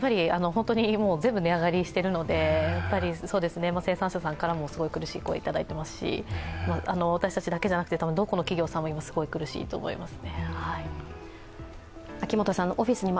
本当に全部値上がりしているので生産者からもすごい苦しい声をいただいていますので、私たちだけじゃなくて、どこの企業さんもすごく苦しいと思います。